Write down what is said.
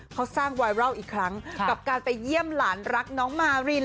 เขาสร้างไวรัลอีกครั้งกับการไปเยี่ยมหลานรักน้องมาริน